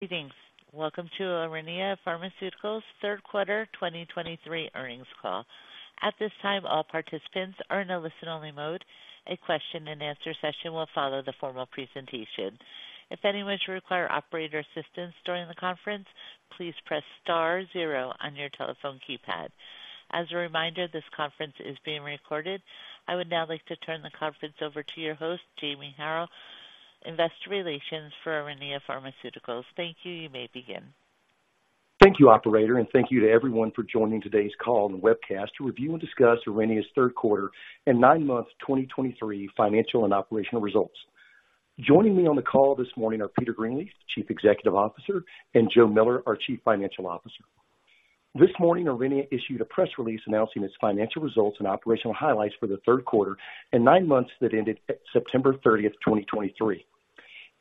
Greetings. Welcome to Aurinia Pharmaceuticals' third quarter 2023 earnings call. At this time, all participants are in a listen-only mode. A question-and-answer session will follow the formal presentation. If anyone should require operator assistance during the conference, please press star zero on your telephone keypad. As a reminder, this conference is being recorded. I would now like to turn the conference over to your host, Jamie Harrell, Investor Relations for Aurinia Pharmaceuticals. Thank you. You may begin. Thank you, operator, and thank you to everyone for joining today's call and webcast to review and discuss Aurinia's third quarter and nine months 2023 financial and operational results. Joining me on the call this morning are Peter Greenleaf, Chief Executive Officer, and Joe Miller, our Chief Financial Officer. This morning, Aurinia issued a press release announcing its financial results and operational highlights for the third quarter and nine months that ended September 30, 2023.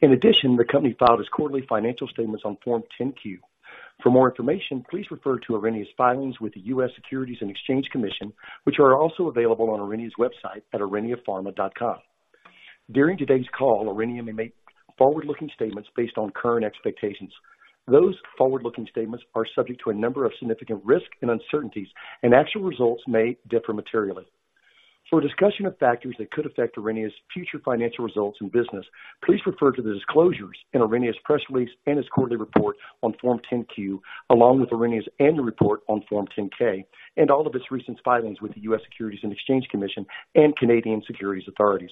In addition, the company filed its quarterly financial statements on Form 10-Q. For more information, please refer to Aurinia's filings with the U.S. Securities and Exchange Commission, which are also available on Aurinia's website at auriniapharma.com. During today's call, Aurinia may make forward-looking statements based on current expectations. Those forward-looking statements are subject to a number of significant risks and uncertainties, and actual results may differ materially. For a discussion of factors that could affect Aurinia's future financial results and business, please refer to the disclosures in Aurinia's press release and its quarterly report on Form 10-Q, along with Aurinia's annual report on Form 10-K and all of its recent filings with the U.S. Securities and Exchange Commission and Canadian Securities Authorities.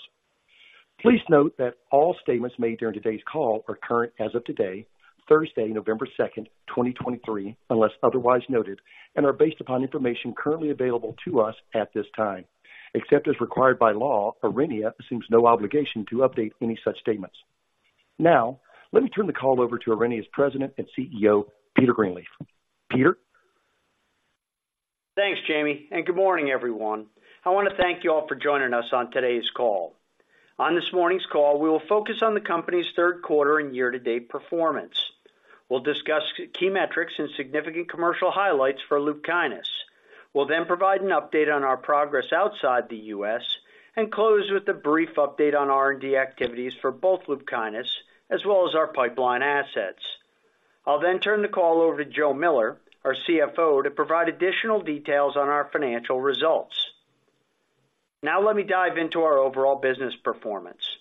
Please note that all statements made during today's call are current as of today, Thursday, November second, 2023, unless otherwise noted, and are based upon information currently available to us at this time. Except as required by law, Aurinia assumes no obligation to update any such statements. Now, let me turn the call over to Aurinia's President and CEO, Peter Greenleaf. Peter? Thanks, Jamie, and good morning, everyone. I want to thank you all for joining us on today's call. On this morning's call, we will focus on the company's third quarter and year-to-date performance. We'll discuss key metrics and significant commercial highlights for Lupkynis. We'll then provide an update on our progress outside the U.S. and close with a brief update on R&D activities for both Lupkynis as well as our pipeline assets. I'll then turn the call over to Joe Miller, our CFO, to provide additional details on our financial results. Now let me dive into our overall business performance.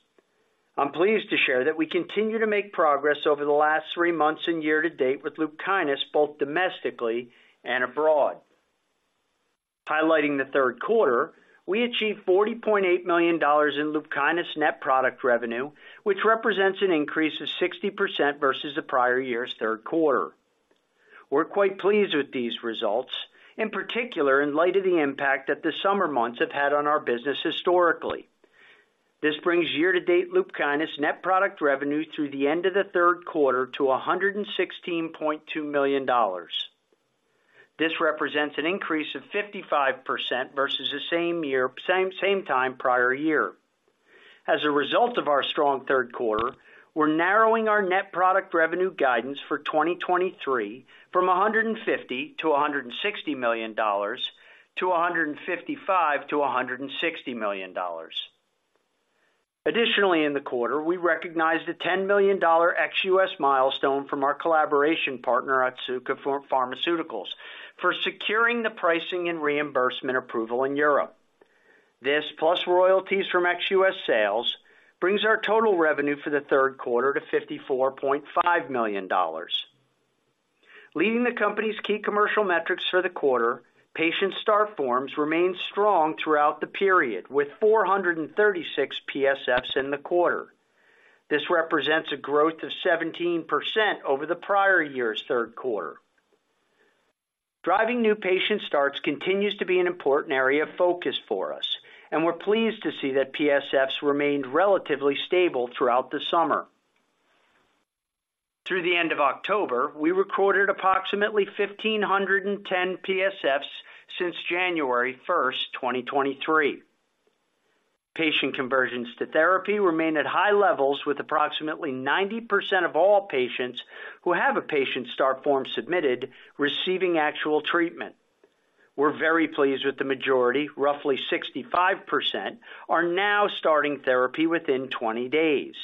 I'm pleased to share that we continue to make progress over the last three months and year to date with Lupkynis, both domestically and abroad. Highlighting the third quarter, we achieved $40.8 million in Lupkynis net product revenue, which represents an increase of 60% versus the prior year's third quarter. We're quite pleased with these results, in particular, in light of the impact that the summer months have had on our business historically. This brings year-to-date Lupkynis net product revenue through the end of the third quarter to $116.2 million. This represents an increase of 55% versus the same year, same time prior year. As a result of our strong third quarter, we're narrowing our net product revenue guidance for 2023 from $150 million-$160 million to $155 million-$160 million. Additionally, in the quarter, we recognized a $10 million ex-U.S. milestone from our collaboration partner, Otsuka Pharmaceutical, for securing the pricing and reimbursement approval in Europe. This, plus royalties from ex-U.S. sales, brings our total revenue for the third quarter to $54.5 million. Leading the company's key commercial metrics for the quarter, patient start forms remained strong throughout the period, with 436 PSFs in the quarter. This represents a growth of 17% over the prior year's third quarter. Driving new patient starts continues to be an important area of focus for us, and we're pleased to see that PSFs remained relatively stable throughout the summer. Through the end of October, we recorded approximately 1,510 PSFs since January 1, 2023. Patient conversions to therapy remained at high levels, with approximately 90% of all patients who have a patient start form submitted receiving actual treatment. We're very pleased with the majority. Roughly 65% are now starting therapy within 20 days.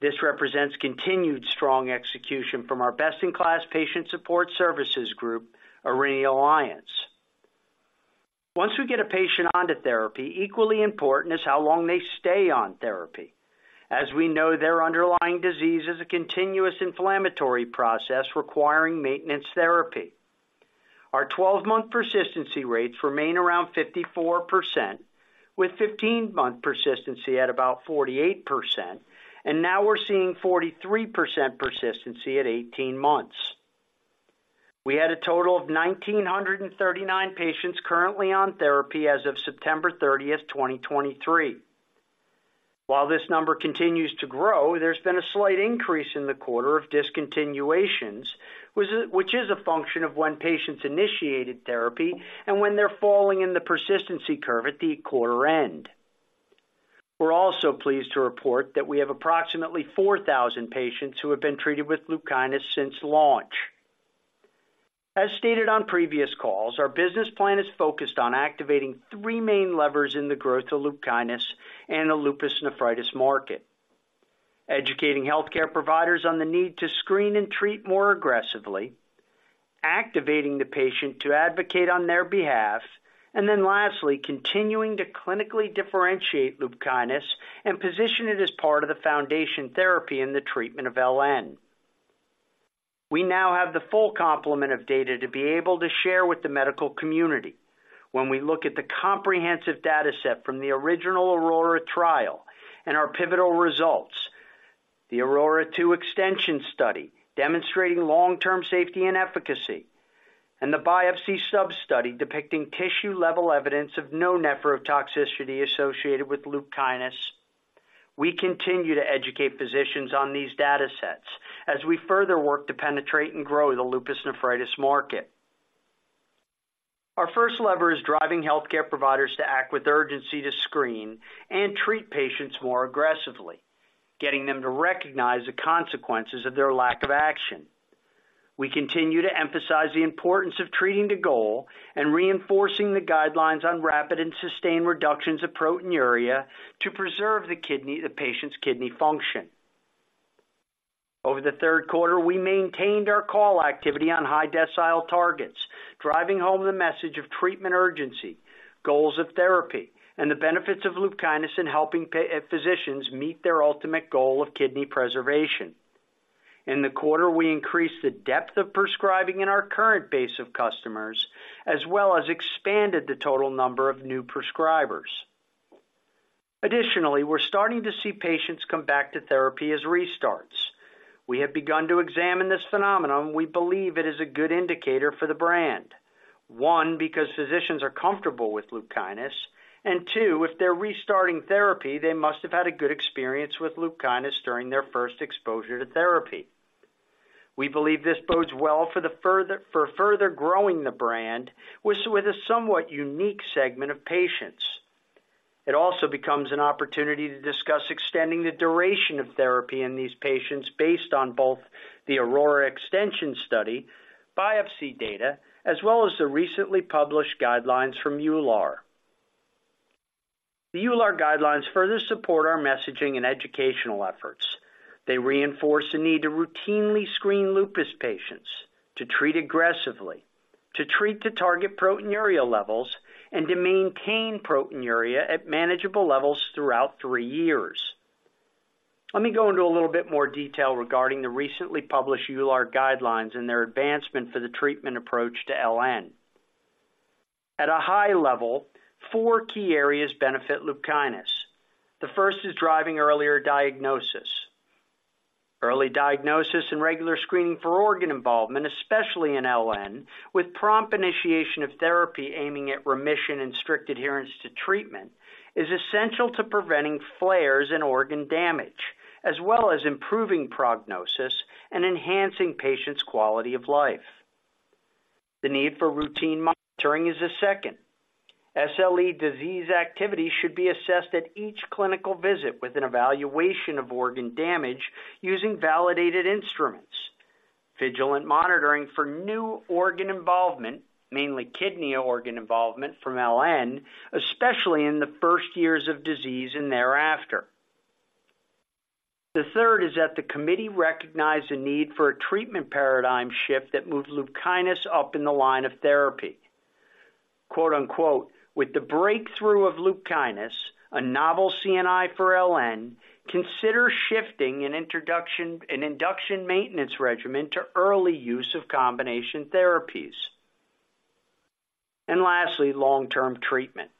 This represents continued strong execution from our best-in-class patient support services group, Aurinia Alliance. Once we get a patient onto therapy, equally important is how long they stay on therapy. As we know, their underlying disease is a continuous inflammatory process requiring maintenance therapy. Our 12-month persistency rates remain around 54%, with 15-month persistency at about 48%, and now we're seeing 43% persistency at 18 months. We had a total of 1,939 patients currently on therapy as of September 30th, 2023. While this number continues to grow, there's been a slight increase in the quarter of discontinuations, which is a function of when patients initiated therapy and when they're falling in the persistency curve at the quarter end. We're also pleased to report that we have approximately 4,000 patients who have been treated with Lupkynis since launch. As stated on previous calls, our business plan is focused on activating three main levers in the growth of Lupkynis and the lupus nephritis market. Educating healthcare providers on the need to screen and treat more aggressively, activating the patient to advocate on their behalf, and then lastly, continuing to clinically differentiate Lupkynis and position it as part of the foundation therapy in the treatment of LN. We now have the full complement of data to be able to share with the medical community. When we look at the comprehensive data set from the original AURORA trial and our pivotal results, the AURORA-II extension study, demonstrating long-term safety and efficacy, and the biopsy substudy depicting tissue-level evidence of no nephrotoxicity associated with Lupkynis. We continue to educate physicians on these data sets as we further work to penetrate and grow the lupus nephritis market. Our first lever is driving healthcare providers to act with urgency, to screen and treat patients more aggressively, getting them to recognize the consequences of their lack of action. We continue to emphasize the importance of treating the goal and reinforcing the guidelines on rapid and sustained reductions of proteinuria to preserve the kidney, the patient's kidney function. Over the third quarter, we maintained our call activity on high decile targets, driving home the message of treatment urgency, goals of therapy, and the benefits of Lupkynis in helping physicians meet their ultimate goal of kidney preservation. In the quarter, we increased the depth of prescribing in our current base of customers, as well as expanded the total number of new prescribers. Additionally, we're starting to see patients come back to therapy as restarts. We have begun to examine this phenomenon. We believe it is a good indicator for the brand. One, because physicians are comfortable with Lupkynis, and two, if they're restarting therapy, they must have had a good experience with Lupkynis during their first exposure to therapy. We believe this bodes well for further growing the brand with a somewhat unique segment of patients. It also becomes an opportunity to discuss extending the duration of therapy in these patients, based on both the AURORA extension study, biopsy data, as well as the recently published guidelines from EULAR. The EULAR guidelines further support our messaging and educational efforts. They reinforce the need to routinely screen lupus patients, to treat aggressively, to treat to target proteinuria levels, and to maintain proteinuria at manageable levels throughout three years. Let me go into a little bit more detail regarding the recently published EULAR guidelines and their advancement for the treatment approach to LN. At a high level, four key areas benefit Lupkynis. The first is driving earlier diagnosis. Early diagnosis and regular screening for organ involvement, especially in LN, with prompt initiation of therapy, aiming at remission and strict adherence to treatment, is essential to preventing flares and organ damage, as well as improving prognosis and enhancing patients' quality of life. The need for routine monitoring is the second. SLE disease activity should be assessed at each clinical visit, with an evaluation of organ damage using validated instruments. Vigilant monitoring for new organ involvement, mainly kidney organ involvement from LN, especially in the first years of disease and thereafter. The third is that the committee recognized the need for a treatment paradigm shift that moved Lupkynis up in the line of therapy. Quote, unquote, "With the breakthrough of Lupkynis, a novel CNI for LN, consider shifting an induction maintenance regimen to early use of combination therapies." And lastly, long-term treatment.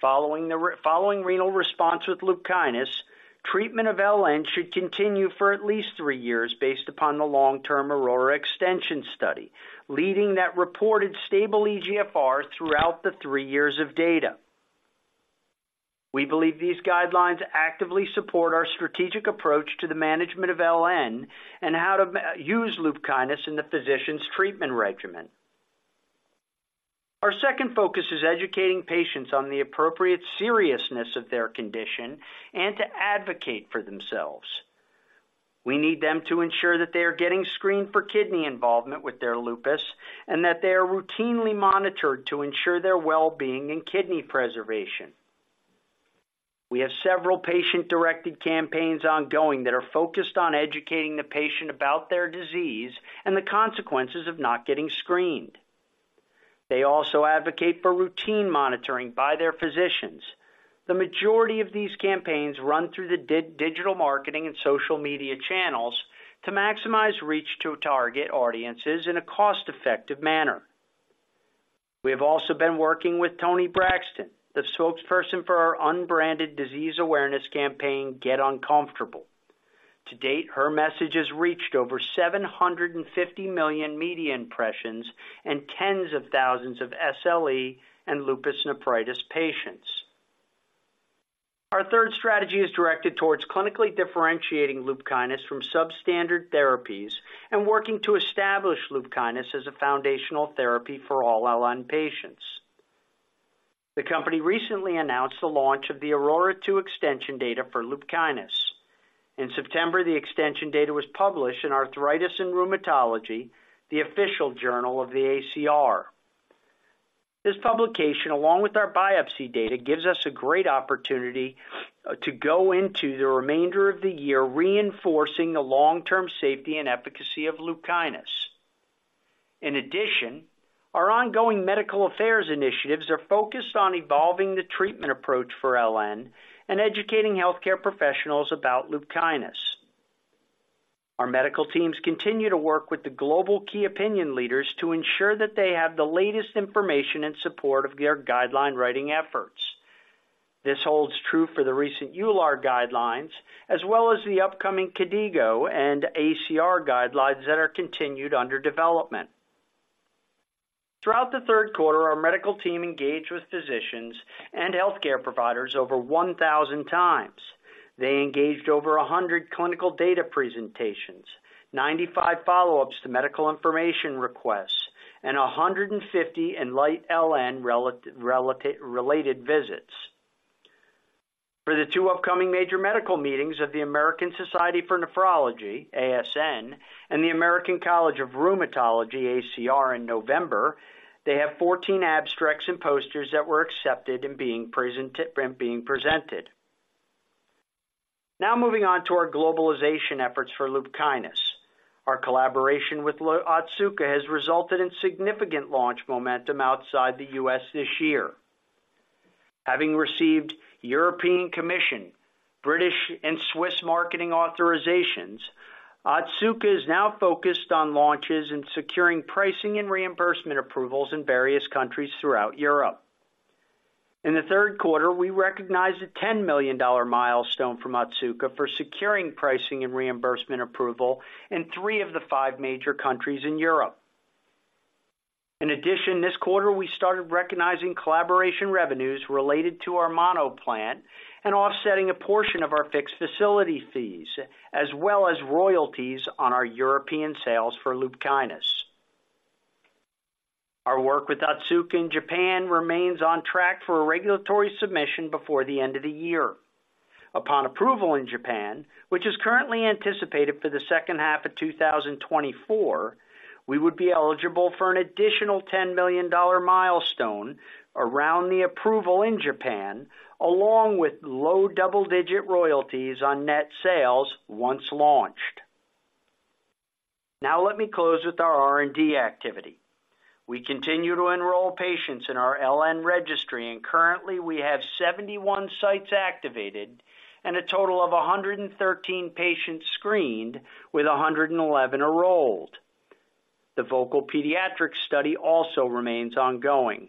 Following renal response with Lupkynis, treatment of LN should continue for at least three years, based upon the long-term AURORA extension study, leading to that reported stable eGFR throughout the three years of data. We believe these guidelines actively support our strategic approach to the management of LN and how to use Lupkynis in the physician's treatment regimen. Our second focus is educating patients on the appropriate seriousness of their condition and to advocate for themselves. We need them to ensure that they are getting screened for kidney involvement with their lupus, and that they are routinely monitored to ensure their well-being and kidney preservation. We have several patient-directed campaigns ongoing that are focused on educating the patient about their disease and the consequences of not getting screened. They also advocate for routine monitoring by their physicians. The majority of these campaigns run through the digital marketing and social media channels to maximize reach to target audiences in a cost-effective manner. We have also been working with Toni Braxton, the spokesperson for our unbranded disease awareness campaign, Get Uncomfortable. To date, her message has reached over 750 million media impressions and tens of thousands of SLE and lupus nephritis patients. Our third strategy is directed towards clinically differentiating Lupkynis from substandard therapies and working to establish Lupkynis as a foundational therapy for all LN patients. The company recently announced the launch of the AURORA-II extension data for Lupkynis. In September, the extension data was published in Arthritis & Rheumatology, the official journal of the ACR. This publication, along with our biopsy data, gives us a great opportunity to go into the remainder of the year, reinforcing the long-term safety and efficacy of Lupkynis. In addition, our ongoing medical affairs initiatives are focused on evolving the treatment approach for LN and educating healthcare professionals about Lupkynis. Our medical teams continue to work with the global key opinion leaders to ensure that they have the latest information in support of their guideline writing efforts. This holds true for the recent EULAR guidelines, as well as the upcoming KDIGO and ACR guidelines that are continued under development. Throughout the third quarter, our medical team engaged with physicians and healthcare providers over 1,000 times. They engaged over 100 clinical data presentations, 95 follow-ups to medical information requests, and 150 ENLIGHT-LN related visits. For the two upcoming major medical meetings of the American Society of Nephrology, ASN, and the American College of Rheumatology, ACR, in November, they have 14 abstracts and posters that were accepted and being presented. Now moving on to our globalization efforts for Lupkynis. Our collaboration with Otsuka has resulted in significant launch momentum outside the U.S. this year. Having received European Commission, British and Swiss marketing authorizations, Otsuka is now focused on launches and securing pricing and reimbursement approvals in various countries throughout Europe. In the third quarter, we recognized a $10 million milestone from Otsuka for securing pricing and reimbursement approval in three of the five major countries in Europe. In addition, this quarter, we started recognizing collaboration revenues related to our Monheim plant and offsetting a portion of our fixed facility fees, as well as royalties on our European sales for Lupkynis. Our work with Otsuka in Japan remains on track for a regulatory submission before the end of the year. Upon approval in Japan, which is currently anticipated for the second half of 2024, we would be eligible for an additional $10 million milestone around the approval in Japan, along with low double-digit royalties on net sales once launched. Now let me close with our R&D activity. We continue to enroll patients in our LN registry, and currently, we have 71 sites activated and a total of 113 patients screened with 111 enrolled. The voclosporin pediatric study also remains ongoing.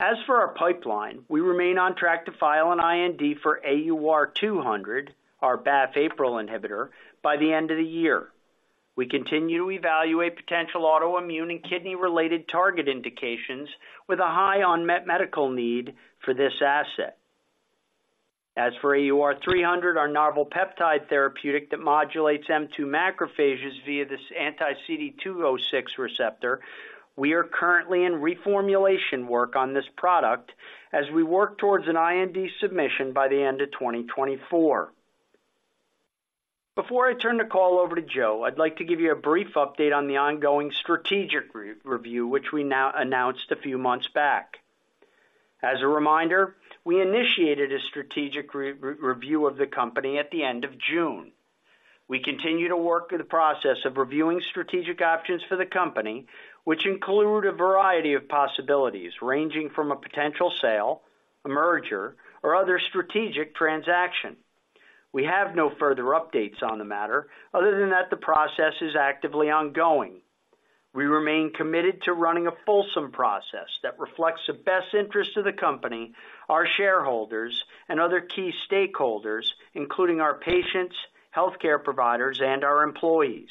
As for our pipeline, we remain on track to file an IND for AUR200, our BAFF APRIL inhibitor, by the end of the year. We continue to evaluate potential autoimmune and kidney-related target indications with a high unmet medical need for this asset. As for AUR300, our novel peptide therapeutic that modulates M2 macrophages via this anti-CD206 receptor, we are currently in reformulation work on this product as we work towards an IND submission by the end of 2024. Before I turn the call over to Joe, I'd like to give you a brief update on the ongoing strategic review, which we now announced a few months back. As a reminder, we initiated a strategic review of the company at the end of June. We continue to work through the process of reviewing strategic options for the company, which include a variety of possibilities, ranging from a potential sale, a merger, or other strategic transaction. We have no further updates on the matter other than that the process is actively ongoing. We remain committed to running a fulsome process that reflects the best interest of the company, our shareholders, and other key stakeholders, including our patients, healthcare providers, and our employees.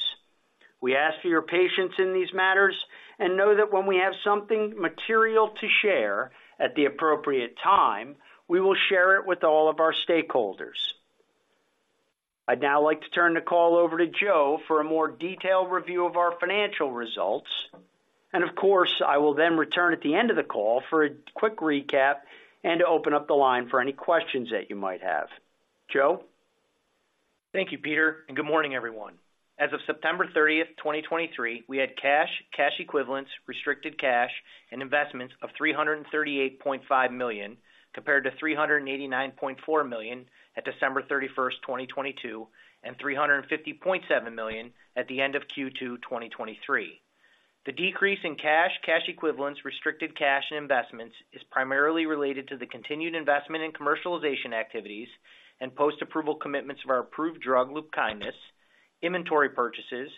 We ask for your patience in these matters and know that when we have something material to share at the appropriate time, we will share it with all of our stakeholders. I'd now like to turn the call over to Joe for a more detailed review of our financial results. Of course, I will then return at the end of the call for a quick recap and to open up the line for any questions that you might have. Joe? Thank you, Peter, and good morning, everyone. As of September 30, 2023, we had cash, cash equivalents, restricted cash, and investments of $338.5 million, compared to $389.4 million at December 31, 2022, and $350.7 million at the end of Q2 2023. The decrease in cash, cash equivalents, restricted cash, and investments is primarily related to the continued investment in commercialization activities and post-approval commitments of our approved drug, Lupkynis, inventory purchases,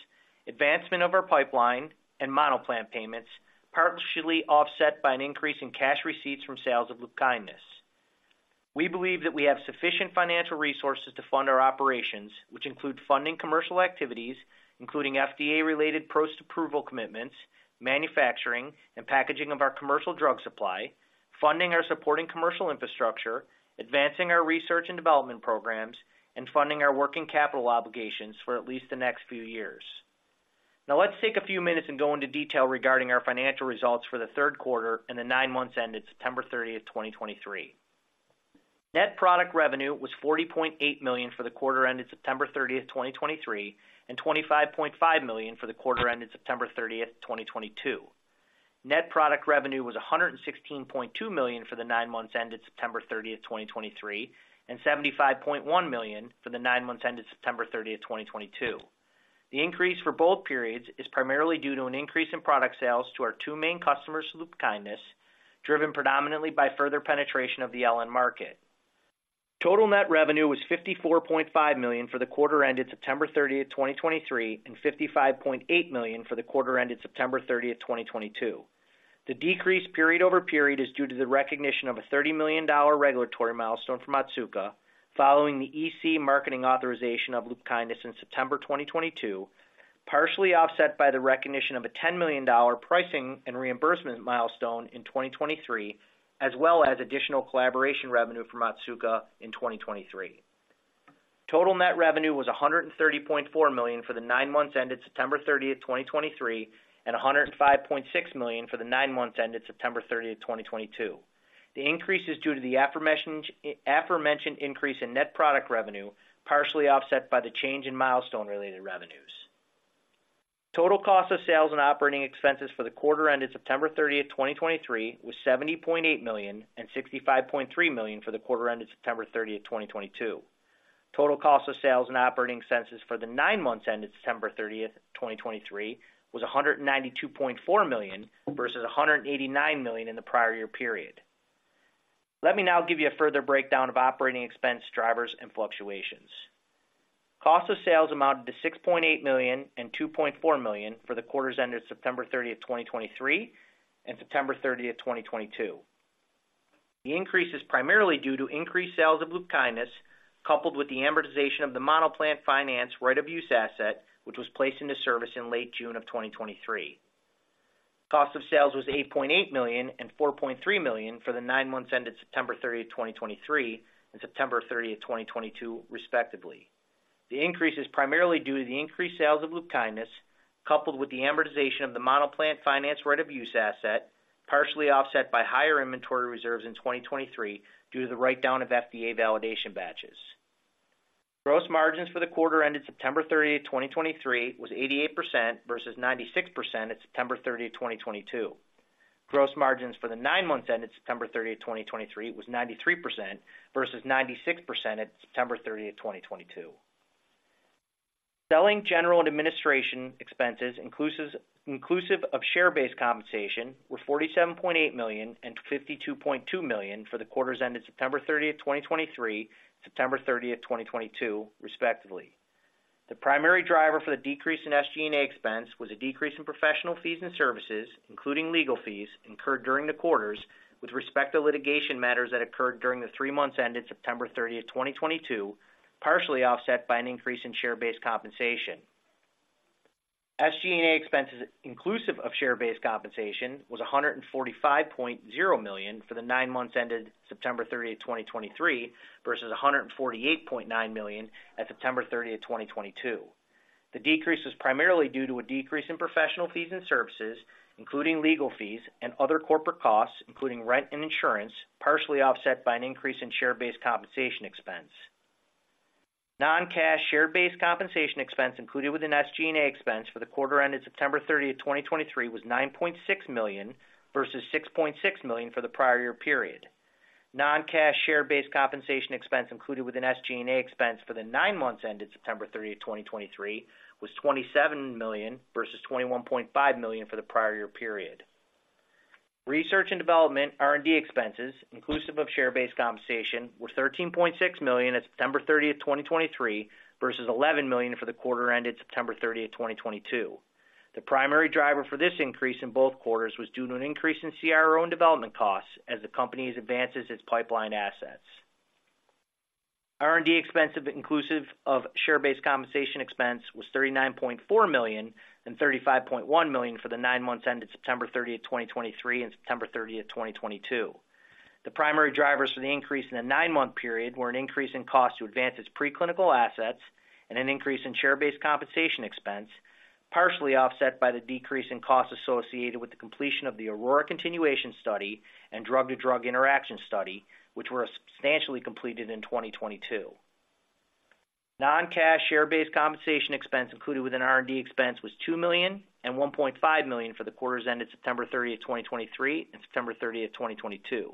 advancement of our pipeline, and milestone payments, partially offset by an increase in cash receipts from sales of Lupkynis. We believe that we have sufficient financial resources to fund our operations, which include funding commercial activities, including FDA-related post-approval commitments, manufacturing and packaging of our commercial drug supply, funding our supporting commercial infrastructure, advancing our research and development programs, and funding our working capital obligations for at least the next few years. Now let's take a few minutes and go into detail regarding our financial results for the third quarter and the nine months ended September 30, 2023. Net product revenue was $40.8 million for the quarter ended September 30, 2023, and $25.5 million for the quarter ended September 30, 2022. Net product revenue was $116.2 million for the nine months ended September 30, 2023, and $75.1 million for the nine months ended September 30, 2022. The increase for both periods is primarily due to an increase in product sales to our two main customers, Lupkynis, driven predominantly by further penetration of the LN market. Total net revenue was $54.5 million for the quarter ended September 30, 2023, and $55.8 million for the quarter ended September 30, 2022. The decrease period over period is due to the recognition of a $30 million regulatory milestone from Otsuka, following the EC marketing authorization of Lupkynis in September 2022, partially offset by the recognition of a $10 million pricing and reimbursement milestone in 2023, as well as additional collaboration revenue from Otsuka in 2023. Total net revenue was $130.4 million for the nine months ended September 30, 2023, and $105.6 million for the nine months ended September 30, 2022. The increase is due to the aforementioned increase in net product revenue, partially offset by the change in milestone-related revenues. Total cost of sales and operating expenses for the quarter ended September 30, 2023, was $70.8 million and $65.3 million for the quarter ended September 30, 2022. Total cost of sales and operating expenses for the nine months ended September 30, 2023, was $192.4 million versus $189 million in the prior year period. Let me now give you a further breakdown of operating expense drivers and fluctuations. Cost of sales amounted to $6.8 million and $2.4 million for the quarters ended September 30, 2023, and September 30, 2022. The increase is primarily due to increased sales of Lupkynis, coupled with the amortization of the Monheim plant finance right-of-use asset, which was placed into service in late June of 2023. Cost of sales was $8.8 million and $4.3 million for the nine months ended September 30, 2023, and September 30, 2022, respectively. The increase is primarily due to the increased sales of Lupkynis, coupled with the amortization of the Monheim plant finance right-of-use asset, partially offset by higher inventory reserves in 2023 due to the write-down of FDA validation batches. Gross margins for the quarter ended September 30, 2023, was 88% versus 96% at September 30, 2022. Gross margins for the nine months ended September 30, 2023, was 93% versus 96% at September 30, 2022. Selling, general, and administration expenses, inclusive of share-based compensation, were $47.8 million and $52.2 million for the quarters ended September 30, 2023, September 30, 2022, respectively. The primary driver for the decrease in SG&A expense was a decrease in professional fees and services, including legal fees, incurred during the quarters with respect to litigation matters that occurred during the three months ended September 30, 2022, partially offset by an increase in share-based compensation. SG&A expenses, inclusive of share-based compensation, was $145.0 million for the nine months ended September 30, 2023, versus $148.9 million at September 30, 2022. The decrease was primarily due to a decrease in professional fees and services, including legal fees and other corporate costs, including rent and insurance, partially offset by an increase in share-based compensation expense. Non-cash share-based compensation expense included within SG&A expense for the quarter ended September 30, 2023, was $9.6 million versus $6.6 million for the prior year period. Non-cash share-based compensation expense included within SG&A expense for the nine months ended September 30, 2023, was $27 million versus $21.5 million for the prior year period. Research and development, R&D expenses, inclusive of share-based compensation, were $13.6 million at September 30, 2023, versus $11 million for the quarter ended September 30, 2022. The primary driver for this increase in both quarters was due to an increase in CRO and development costs as the company advances its pipeline assets. R&D expense, inclusive of share-based compensation expense, was $39.4 million and $35.1 million for the nine months ended September 30, 2023, and September 30, 2022. The primary drivers for the increase in the nine-month period were an increase in cost to advance its preclinical assets and an increase in share-based compensation expense, partially offset by the decrease in costs associated with the completion of the AURORA continuation study and drug-to-drug interaction study, which were substantially completed in 2022. Non-cash share-based compensation expense included within R&D expense was $2 million and $1.5 million for the quarters ended September 30, 2023, and September 30, 2022.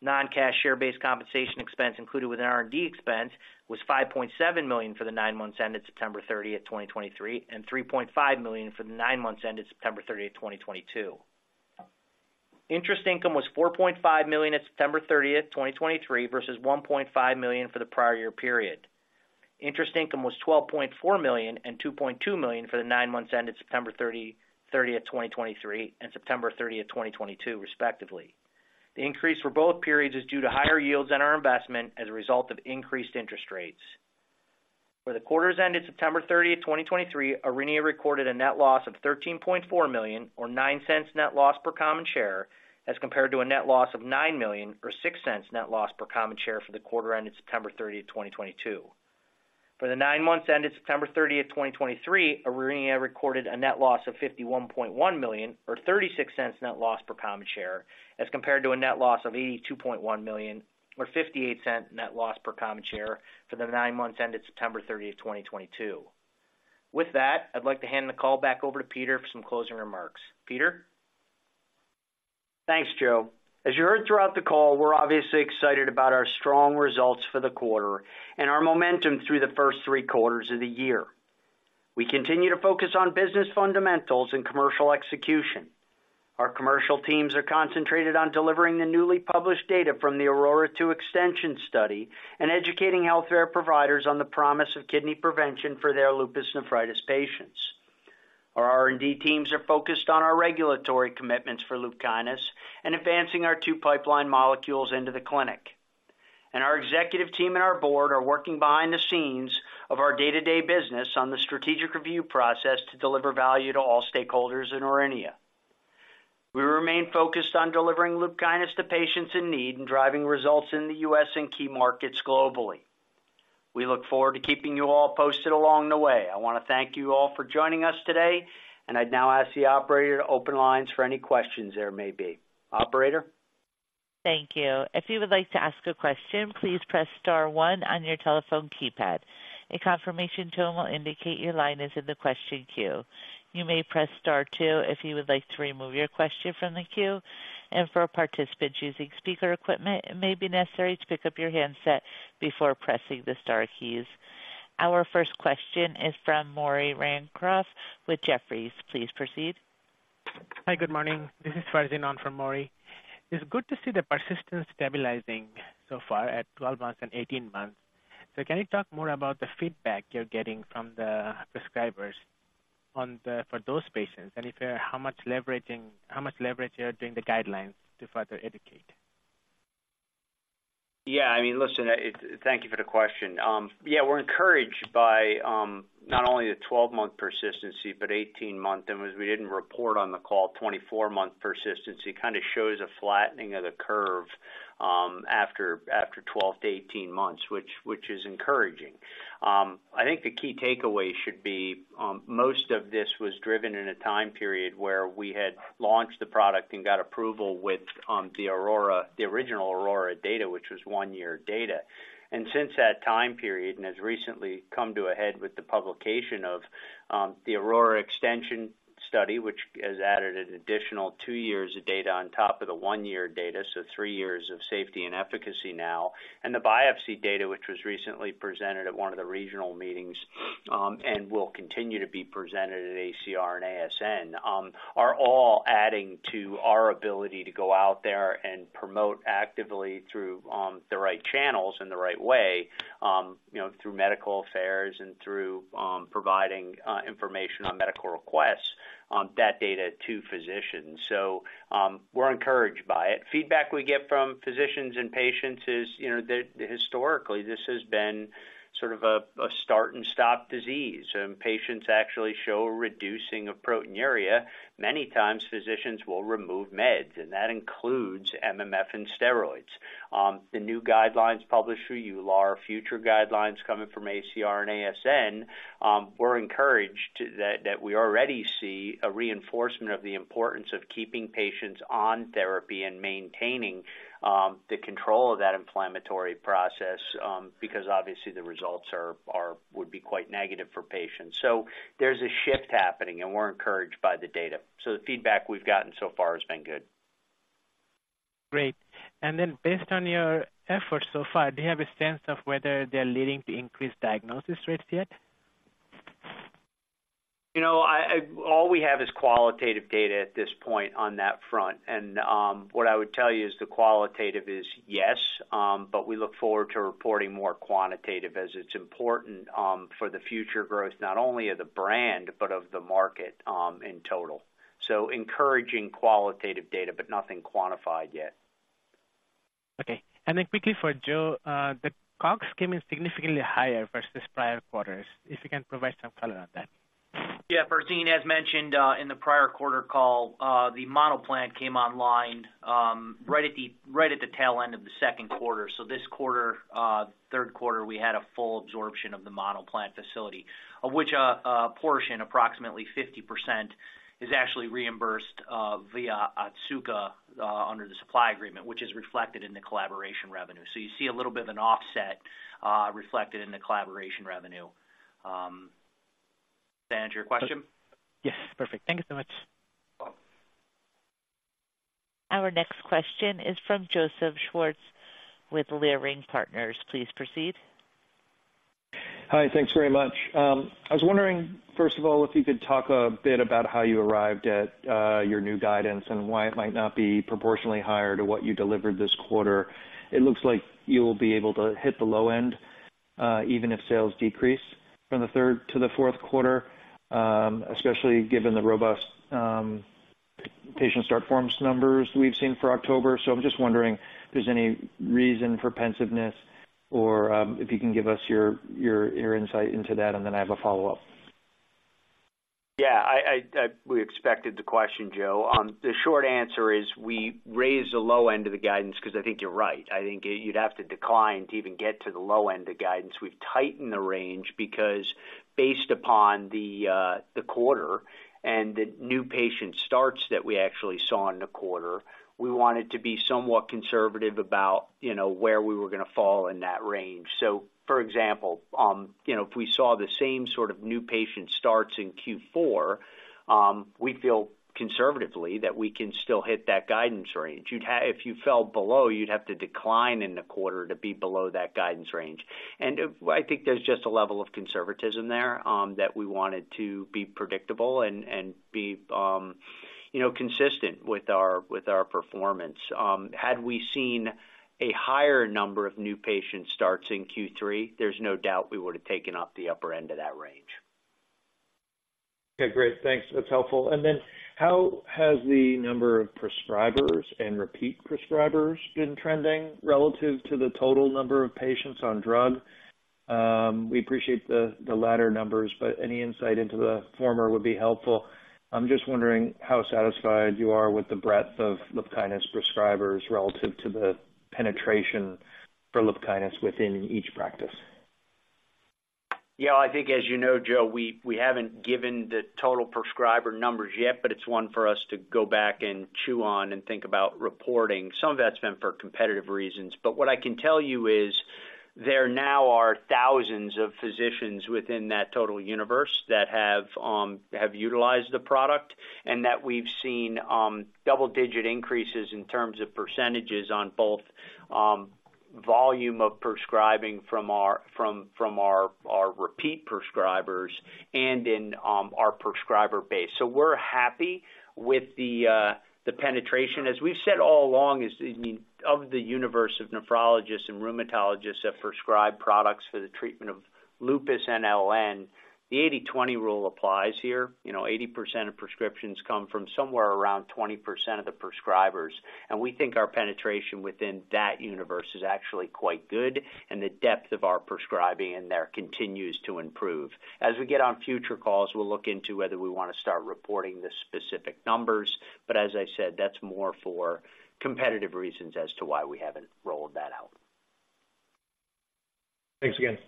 Non-cash share-based compensation expense included within R&D expense was $5.7 million for the nine months ended September 30, 2023, and $3.5 million for the nine months ended September 30, 2022. Interest income was $4.5 million at September 30, 2023, versus $1.5 million for the prior year period. Interest income was $12.4 million and $2.2 million for the nine months ended September 30, 2023, and September 30, 2022, respectively. The increase for both periods is due to higher yields on our investment as a result of increased interest rates. For the quarters ended September 30, 2023, Aurinia recorded a net loss of $13.4 million, or $0.09 net loss per common share, as compared to a net loss of $9 million, or $0.06 net loss per common share, for the quarter ended September 30, 2022. For the nine months ended September 30, 2023, Aurinia recorded a net loss of $51.1 million, or $0.36 net loss per common share, as compared to a net loss of $82.1 million, or $0.58 net loss per common share for the nine months ended September 30, 2022. With that, I'd like to hand the call back over to Peter for some closing remarks. Peter? Thanks, Joe. As you heard throughout the call, we're obviously excited about our strong results for the quarter and our momentum through the first three quarters of the year. We continue to focus on business fundamentals and commercial execution. Our commercial teams are concentrated on delivering the newly published data from the AURORA-II extension study and educating healthcare providers on the promise of kidney prevention for their lupus nephritis patients. Our R&D teams are focused on our regulatory commitments for Lupkynis and advancing our two pipeline molecules into the clinic. Our executive team and our board are working behind the scenes of our day-to-day business on the strategic review process to deliver value to all stakeholders in Aurinia. We remain focused on delivering Lupkynis to patients in need and driving results in the U.S. and key markets globally. We look forward to keeping you all posted along the way. I want to thank you all for joining us today, and I'd now ask the operator to open lines for any questions there may be. Operator? Thank you. If you would like to ask a question, please press star one on your telephone keypad. A confirmation tone will indicate your line is in the question queue. You may press star two if you would like to remove your question from the queue, and for participants using speaker equipment, it may be necessary to pick up your handset before pressing the star keys. Our first question is from Maury Raycroft with Jefferies. Please proceed. Hi, good morning. This is Farzin on for Maury. It's good to see the persistence stabilizing so far at 12 months and 18 months. So can you talk more about the feedback you're getting from the prescribers on the, for those patients, and if, how much leveraging, how much leverage you're doing the guidelines to further educate? Yeah, I mean, listen, Thank you for the question. Yeah, we're encouraged by not only the 12-month persistency, but 18-month, and as we didn't report on the call, 24-month persistency. Kind of shows a flattening of the curve after 12 to 18 months, which is encouraging. I think the key takeaway should be most of this was driven in a time period where we had launched the product and got approval with the AURORA, the original AURORA data, which was one-year data. Since that time period, it has recently come to a head with the publication of the AURORA extension study, which has added an additional two years of data on top of the one-year data, so three years of safety and efficacy now, and the biopsy data, which was recently presented at one of the regional meetings, and will continue to be presented at ACR and ASN, are all adding to our ability to go out there and promote actively through the right channels in the right way, you know, through medical affairs and through providing information on medical requests, that data to physicians. So, we're encouraged by it. Feedback we get from physicians and patients is, you know, that historically this has been sort of a start and stop disease, and patients actually show a reducing of proteinuria. Many times physicians will remove meds, and that includes MMF and steroids. The new guidelines published through EULAR, future guidelines coming from ACR and ASN, we're encouraged that we already see a reinforcement of the importance of keeping patients on therapy and maintaining the control of that inflammatory process, because obviously the results would be quite negative for patients. So there's a shift happening, and we're encouraged by the data. So the feedback we've gotten so far has been good. Great. And then based on your efforts so far, do you have a sense of whether they're leading to increased diagnosis rates yet? You know, all we have is qualitative data at this point on that front. What I would tell you is the qualitative is yes, but we look forward to reporting more quantitative as it's important for the future growth, not only of the brand, but of the market, in total. So encouraging qualitative data, but nothing quantified yet. Okay. And then quickly for Joe, the COGS came in significantly higher versus prior quarters, if you can provide some color on that. Yeah, Farzin, as mentioned, in the prior quarter call, the model plant came online, right at the, right at the tail end of the second quarter. So this quarter, third quarter, we had a full absorption of the model plant facility, of which a portion, approximately 50%, is actually reimbursed, via Otsuka, under the supply agreement, which is reflected in the collaboration revenue. So you see a little bit of an offset, reflected in the collaboration revenue. Does that answer your question? Yes, perfect. Thank you so much. Welcome. Our next question is from Joseph Schwartz, with Leerink Partners. Please proceed. Hi, thanks very much. I was wondering, first of all, if you could talk a bit about how you arrived at your new guidance and why it might not be proportionally higher to what you delivered this quarter. It looks like you will be able to hit the low end, even if sales decrease from the third to the fourth quarter, especially given the robust patient start forms numbers we've seen for October. So I'm just wondering if there's any reason for pensiveness or if you can give us your insight into that, and then I have a follow-up. Yeah, I we expected the question, Joe. The short answer is we raised the low end of the guidance because I think you're right. I think you'd have to decline to even get to the low end of guidance. We've tightened the range because based upon the the quarter and the new patient starts that we actually saw in the quarter, we wanted to be somewhat conservative about, you know, where we were gonna fall in that range. So for example, you know, if we saw the same sort of new patient starts in Q4, we feel conservatively that we can still hit that guidance range. You'd have-- If you fell below, you'd have to decline in the quarter to be below that guidance range. I think there's just a level of conservatism there that we wanted to be predictable and be, you know, consistent with our performance. Had we seen a higher number of new patient starts in Q3, there's no doubt we would have taken up the upper end of that range. Okay, great. Thanks. That's helpful. And then how has the number of prescribers and repeat prescribers been trending relative to the total number of patients on drug? We appreciate the latter numbers, but any insight into the former would be helpful. I'm just wondering how satisfied you are with the breadth of Lupkynis prescribers relative to the penetration for Lupkynis within each practice. Yeah, I think, as you know, Joe, we haven't given the total prescriber numbers yet, but it's one for us to go back and chew on and think about reporting. Some of that's been for competitive reasons, but what I can tell you is there now are thousands of physicians within that total universe that have utilized the product, and that we've seen double-digit increases in terms of percentages on both volume of prescribing from our repeat prescribers and in our prescriber base. So we're happy with the penetration. As we've said all along, I mean, of the universe of nephrologists and rheumatologists that prescribe products for the treatment of lupus LN, the 80-20 rule applies here. You know, 80% of prescriptions come from somewhere around 20% of the prescribers, and we think our penetration within that universe is actually quite good, and the depth of our prescribing in there continues to improve. As we get on future calls, we'll look into whether we want to start reporting the specific numbers. But as I said, that's more for competitive reasons as to why we haven't rolled that out. Thanks again.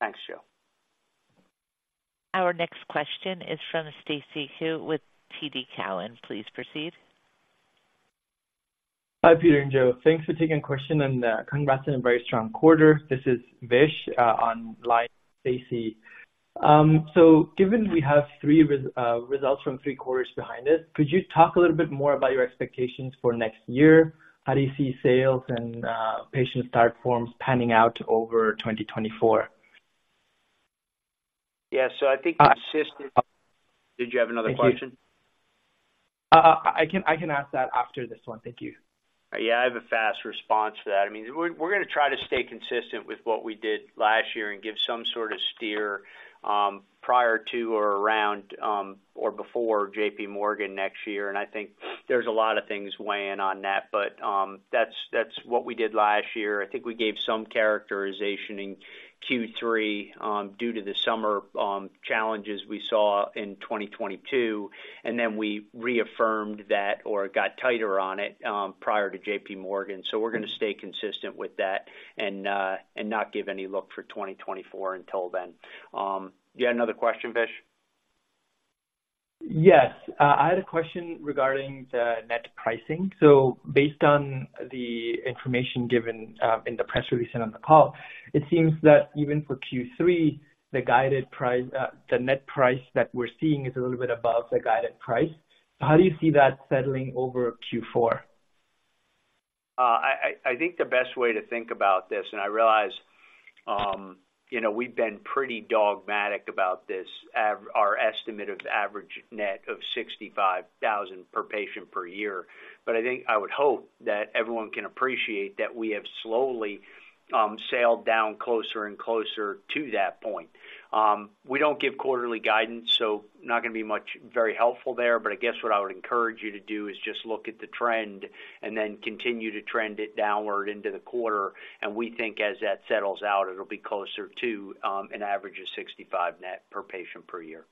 Thanks, Joe. Our next question is from Stacy Ku with TD Cowen. Please proceed. Hi, Peter and Joe. Thanks for taking question and, congrats on a very strong quarter. This is Vish, on line Stacy. So given we have three results from three quarters behind us, could you talk a little bit more about your expectations for next year? How do you see sales and, patient start forms panning out over 2024? Yeah, so I think consistently... Did you have another question? I can ask that after this one. Thank you. Yeah, I have a fast response to that. I mean, we're gonna try to stay consistent with what we did last year and give some sort of steer prior to or around or before JPMorgan next year. And I think there's a lot of things weighing on that, but that's what we did last year. I think we gave some characterization in Q3 due to the summer challenges we saw in 2022, and then we reaffirmed that or got tighter on it prior to JPMorgan. So we're gonna stay consistent with that and not give any look for 2024 until then. You had another question, Vish? Yes. I had a question regarding the net pricing. So based on the information given, in the press release and on the call, it seems that even for Q3, the guided price, the net price that we're seeing is a little bit above the guided price. How do you see that settling over Q4? I think the best way to think about this, and I realize, you know, we've been pretty dogmatic about this, our estimate of the average net of $65,000 per patient per year. But I think I would hope that everyone can appreciate that we have slowly sailed down closer and closer to that point. We don't give quarterly guidance, so not gonna be much very helpful there, but I guess what I would encourage you to do is just look at the trend and then continue to trend it downward into the quarter. And we think as that settles out, it'll be closer to an average of $65,000 net per patient per year.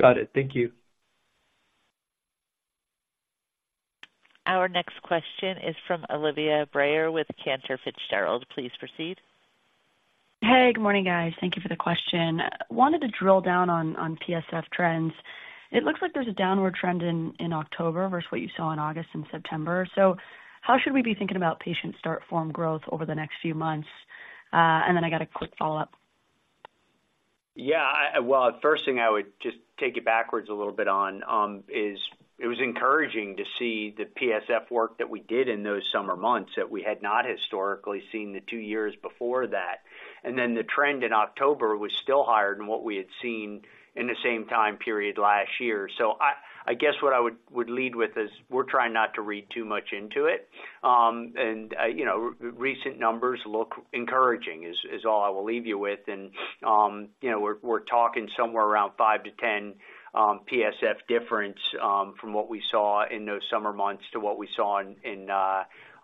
Got it. Thank you. Our next question is from Olivia Brayer with Cantor Fitzgerald. Please proceed. Hey, good morning, guys. Thank you for the question. Wanted to drill down on PSF trends. It looks like there's a downward trend in October versus what you saw in August and September. So how should we be thinking about patient start form growth over the next few months? And then I got a quick follow-up. Yeah, well, the first thing I would just take it backwards a little bit on is it was encouraging to see the PSF work that we did in those summer months that we had not historically seen the two years before that. And then the trend in October was still higher than what we had seen in the same time period last year. So I guess what I would lead with is we're trying not to read too much into it. And you know, recent numbers look encouraging, is all I will leave you with. And you know, we're talking somewhere around 5-10 PSF difference from what we saw in those summer months to what we saw in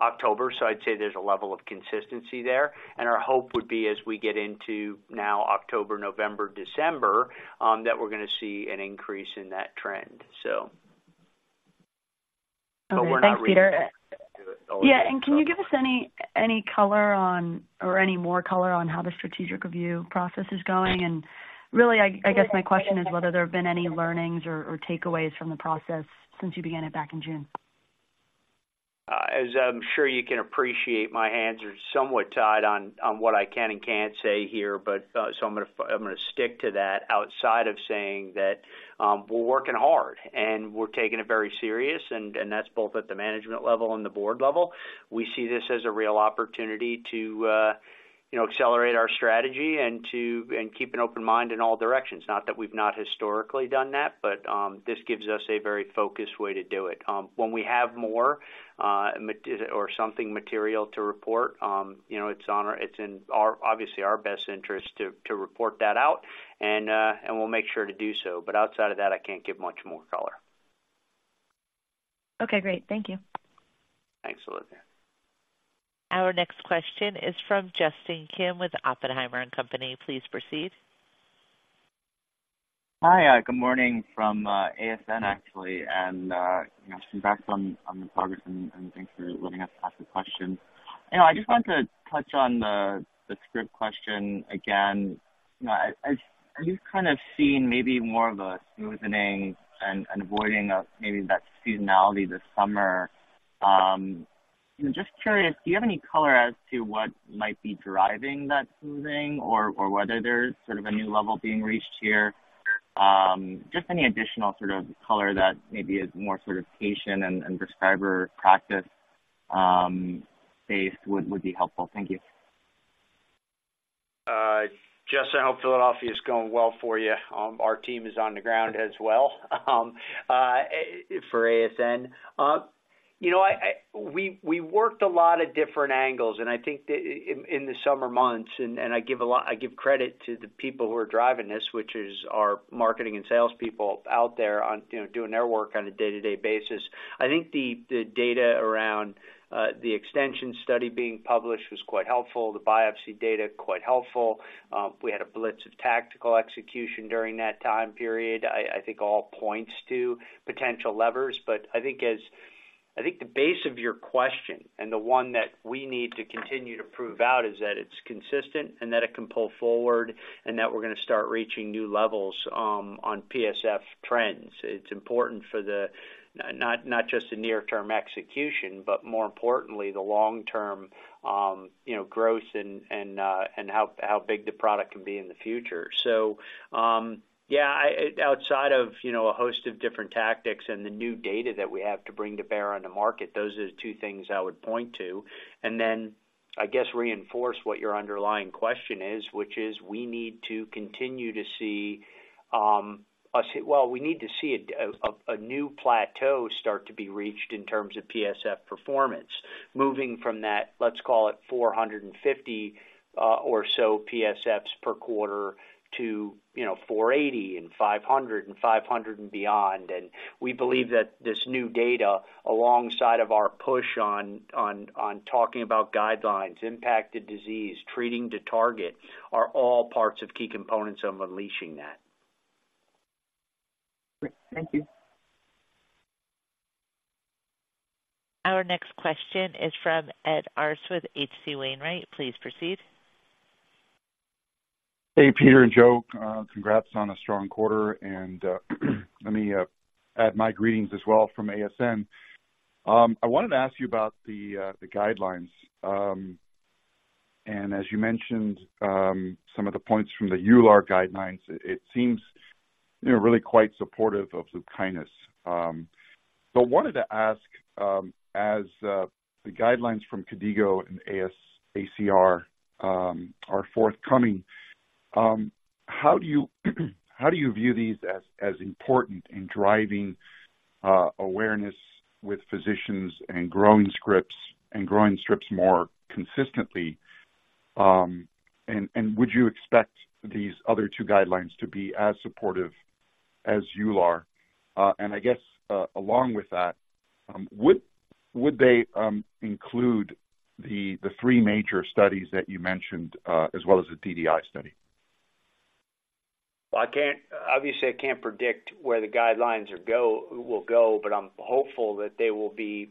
October. So I'd say there's a level of consistency there. Our hope would be as we get into now October, November, December, that we're gonna see an increase in that trend. So. Okay, thanks, Peter. Yeah, and can you give us any color on or any more color on how the strategic review process is going? And really, I guess my question is whether there have been any learnings or takeaways from the process since you began it back in June. As I'm sure you can appreciate, my hands are somewhat tied on what I can and can't say here, but so I'm gonna stick to that outside of saying that we're working hard, and we're taking it very serious, and that's both at the management level and the board level. We see this as a real opportunity to you know accelerate our strategy and to keep an open mind in all directions. Not that we've not historically done that, but this gives us a very focused way to do it. When we have more or something material to report, you know, it's in our obviously our best interest to report that out, and we'll make sure to do so, but outside of that, I can't give much more color. Okay, great. Thank you. Thanks, Olivia. Our next question is from Justin Kim with Oppenheimer and Company. Please proceed. Hi, good morning from ASN, actually, and you know, congrats on the progress, and thanks for letting us ask the question. You know, I just wanted to touch on the script question again. You know, I, we've kind of seen maybe more of a smoothening and avoiding of maybe that seasonality this summer. I'm just curious, do you have any color as to what might be driving that smoothing or whether there's sort of a new level being reached here? Just any additional sort of color that maybe is more sort of patient and prescriber practice based would be helpful. Thank you. Justin, I hope Philadelphia is going well for you. Our team is on the ground as well, for ASN. You know, we worked a lot of different angles, and I think that in the summer months, and I give credit to the people who are driving this, which is our marketing and sales people out there, you know, doing their work on a day-to-day basis. I think the data around the extension study being published was quite helpful, the biopsy data, quite helpful. We had a blitz of tactical execution during that time period. I think all points to potential levers, but I think as... I think the base of your question, and the one that we need to continue to prove out, is that it's consistent and that it can pull forward, and that we're gonna start reaching new levels on PSF trends. It's important for the, not, not just the near-term execution, but more importantly, the long-term, you know, growth and, and, and how, how big the product can be in the future. So, yeah, I, outside of, you know, a host of different tactics and the new data that we have to bring to bear on the market, those are the two things I would point to, and then, I guess, reinforce what your underlying question is, which is we need to continue to see, well, we need to see a, a new plateau start to be reached in terms of PSF performance. Moving from that, let's call it 450 or so PSFs per quarter to, you know, 480 and 500, and 500 and beyond. And we believe that this new data, alongside of our push on, on, on talking about guidelines, impacted disease, treating to target, are all parts of key components of unleashing that. Great. Thank you. Our next question is from Ed Arce with HC Wainwright. Please proceed. Hey, Peter and Joe, congrats on a strong quarter, and let me add my greetings as well from ASN. I wanted to ask you about the guidelines. And as you mentioned, some of the points from the EULAR guidelines, it seems, you know, really quite supportive of the Lupkynis. But wanted to ask, as the guidelines from KDIGO and ASN and ACR are forthcoming, how do you view these as important in driving awareness with physicians and growing scripts, and growing scripts more consistently? And would you expect these other two guidelines to be as supportive as EULAR? And I guess, along with that, would they include the three major studies that you mentioned, as well as the DDI study? Well, I can't obviously, I can't predict where the guidelines will go, but I'm hopeful that they will be,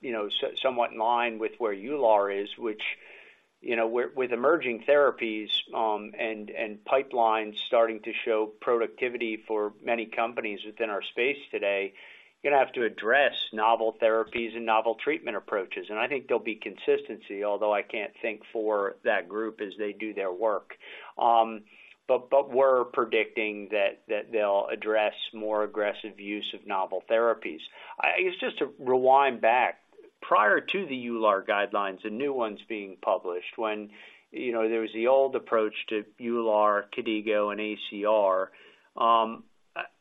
you know, somewhat in line with where EULAR is, which, you know, with emerging therapies and pipelines starting to show productivity for many companies within our space today, you're gonna have to address novel therapies and novel treatment approaches, and I think there'll be consistency, although I can't think for that group as they do their work. But we're predicting that they'll address more aggressive use of novel therapies. It's just to rewind back, prior to the EULAR guidelines and new ones being published, when you know there was the old approach to EULAR, KDIGO and ACR,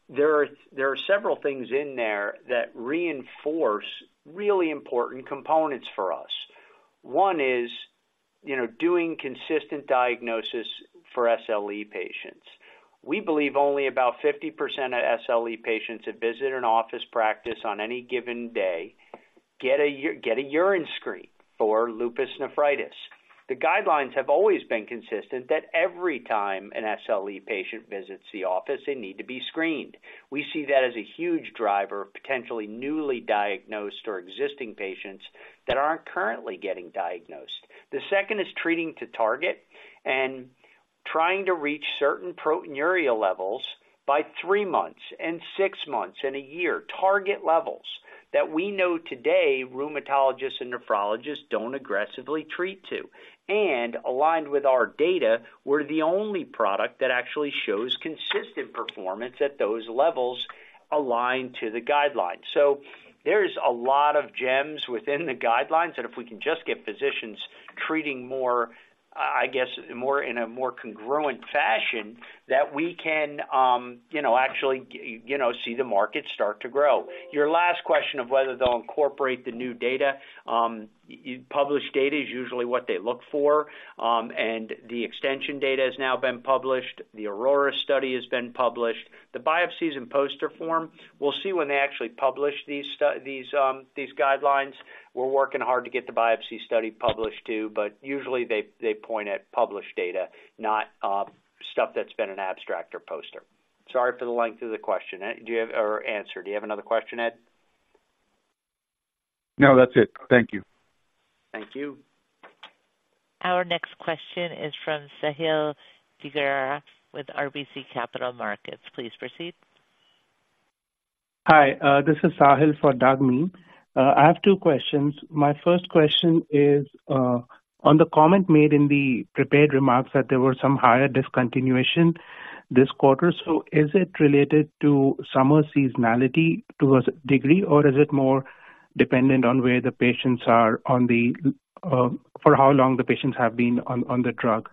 there are several things in there that reinforce really important components for us. One is, you know, doing consistent diagnosis for SLE patients. We believe only about 50% of SLE patients that visit an office practice on any given day get a urine screen for lupus nephritis. The guidelines have always been consistent that every time an SLE patient visits the office, they need to be screened. We see that as a huge driver of potentially newly diagnosed or existing patients that aren't currently getting diagnosed. The second is treating to target and trying to reach certain proteinuria levels by three months and six months and a year. Target levels that we know today, rheumatologists and nephrologists don't aggressively treat to. And aligned with our data, we're the only product that actually shows consistent performance at those levels aligned to the guidelines. So there's a lot of gems within the guidelines, that if we can just get physicians treating more, I guess, more in a more congruent fashion, that we can, you know, actually, you know, see the market start to grow. Your last question of whether they'll incorporate the new data. Published data is usually what they look for, and the extension data has now been published. The AURORA study has been published. The biopsy is in poster form. We'll see when they actually publish these guidelines. We're working hard to get the biopsy study published, too, but usually they point at published data, not stuff that's been an abstract or poster. Sorry for the length of the question, Ed. Do you have... Or answer. Do you have another question, Ed? No, that's it. Thank you. Thank you. Our next question is from Sahil Dhingra with RBC Capital Markets. Please proceed. Hi, this is Sahil for Doug Miehm. I have two questions. My first question is, on the comment made in the prepared remarks that there were some higher discontinuation this quarter. So is it related to summer seasonality to a degree, or is it more dependent on where the patients are on the, for how long the patients have been on the drug?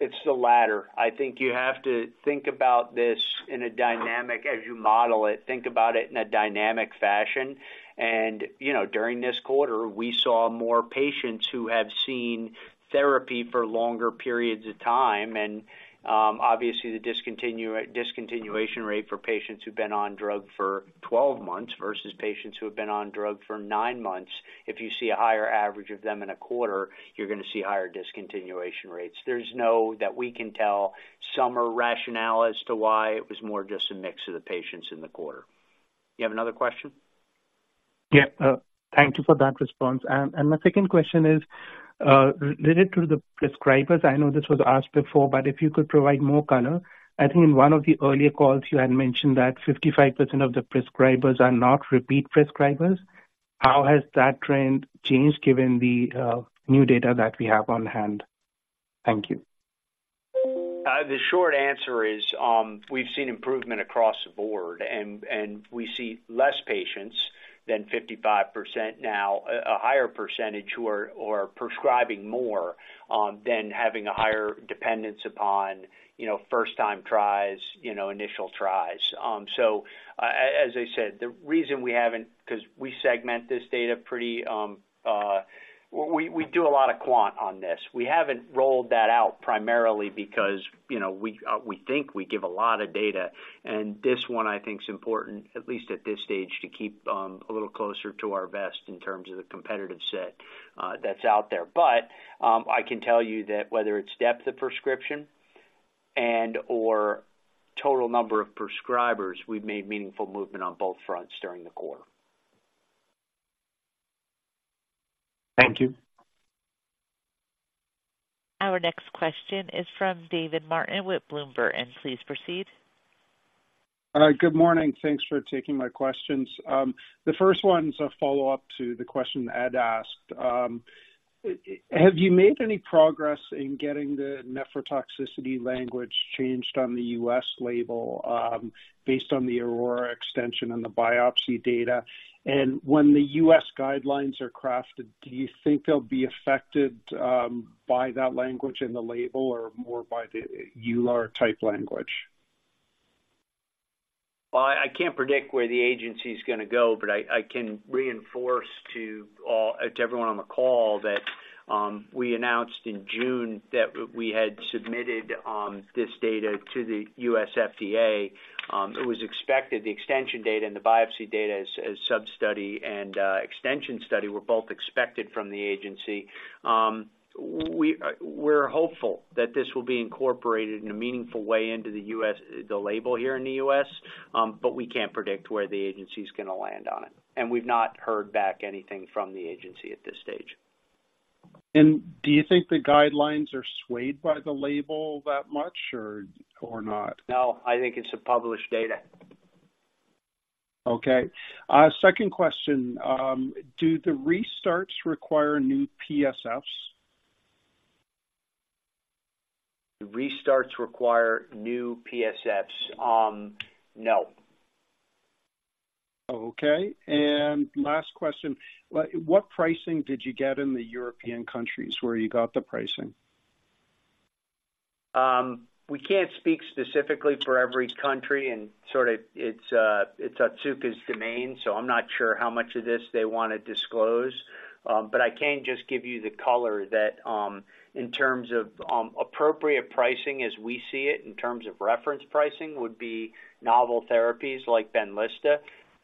It's the latter. I think you have to think about this in a dynamic, as you model it, think about it in a dynamic fashion. And, you know, during this quarter, we saw more patients who have seen therapy for longer periods of time. And, obviously, the discontinuation rate for patients who've been on drug for 12 months versus patients who have been on drug for nine months, if you see a higher average of them in a quarter, you're going to see higher discontinuation rates. There's no, that we can tell, sound rationale as to why it was more just a mix of the patients in the quarter. Do you have another question? Yeah. Thank you for that response. And, and my second question is, related to the prescribers. I know this was asked before, but if you could provide more color. I think in one of the earlier calls, you had mentioned that 55% of the prescribers are not repeat prescribers. How has that trend changed given the, new data that we have on hand? Thank you. The short answer is, we've seen improvement across the board, and we see less patients than 55% now, a higher percentage who are prescribing more than having a higher dependence upon, you know, first-time tries, you know, initial tries. So as I said, the reason we haven't because we segment this data pretty. We do a lot of quant on this. We haven't rolled that out primarily because, you know, we think we give a lot of data, and this one, I think, is important, at least at this stage, to keep a little closer to our vest in terms of the competitive set that's out there. But I can tell you that whether it's depth of prescription and/or total number of prescribers, we've made meaningful movement on both fronts during the quarter. Thank you. Our next question is from David Martin with Bloom Burton, and please proceed. Good morning. Thanks for taking my questions. The first one's a follow-up to the question Ed asked. Have you made any progress in getting the nephrotoxicity language changed on the U.S. label, based on the AURORA extension and the biopsy data? And when the U.S. guidelines are crafted, do you think they'll be affected, by that language in the label or more by the EULAR type language? Well, I can't predict where the agency is gonna go, but I can reinforce to all, to everyone on the call, that we announced in June that we had submitted this data to the U.S. FDA. It was expected, the extension data and the biopsy data as sub-study and extension study were both expected from the agency. We're hopeful that this will be incorporated in a meaningful way into the U.S., the label here in the U.S., but we can't predict where the agency is gonna go land on it, and we've not heard back anything from the agency at this stage. Do you think the guidelines are swayed by the label that much or, or not? No, I think it's the published data. Okay. Second question: Do the restarts require new PSFs? Do restarts require new PSFs? No. Okay, and last question: Like, what pricing did you get in the European countries where you got the pricing? We can't speak specifically for every country, and sort of it's Otsuka's domain, so I'm not sure how much of this they want to disclose. But I can just give you the color that, in terms of appropriate pricing, as we see it, in terms of reference pricing, would be novel therapies like Benlysta.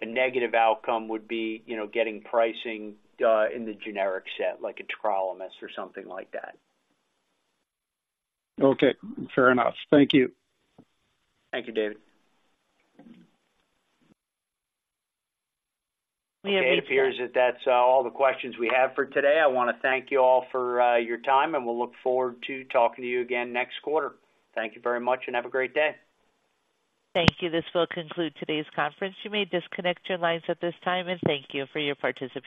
A negative outcome would be, you know, getting pricing, in the generic set, like a tacrolimus or something like that. Okay, fair enough. Thank you. Thank you, David. We have- It appears that that's all the questions we have for today. I want to thank you all for your time, and we'll look forward to talking to you again next quarter. Thank you very much, and have a great day. Thank you. This will conclude today's conference. You may disconnect your lines at this time, and thank you for your participation.